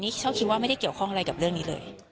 นี่เช่าคิดว่าไม่ได้เกี่ยวข้องอะไรกับเรื่องนี้เลย